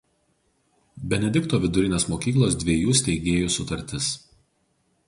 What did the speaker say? Benedikto vidurinės mokyklos dviejų steigėjų sutartis.